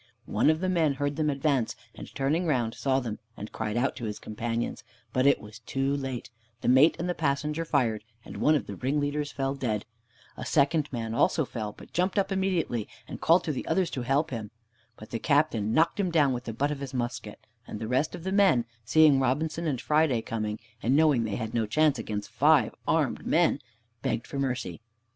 One of the men heard them advance, and turning round, saw them, and cried out to his companions. But it was too late, the mate and the passenger fired, and one of the ringleaders fell dead. A second man also fell, but jumped up immediately and called to the others to help him. But the Captain knocked him down with the butt of his musket, and the rest of the men, seeing Robinson and Friday coming, and knowing they had no chance against five armed men, begged for mercy.